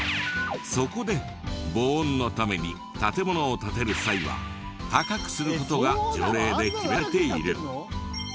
そこで防音のために建物を建てる際は高くする事が条例で決められている。